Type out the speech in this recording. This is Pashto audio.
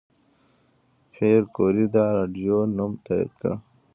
پېیر کوري د راډیوم نوم تایید کړ.